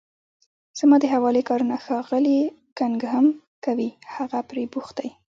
زما د حوالې کارونه ښاغلی کننګهم کوي، هغه پرې بوخت دی.